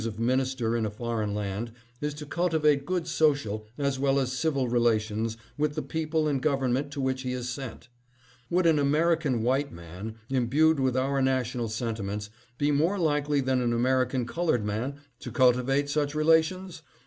of minister in a foreign land is to cultivate good social as well as civil relations with the people and government to which he is sent. Would an American white man, imbued with our national sentiments, be more likely than an American colored man to cultivate such rela tions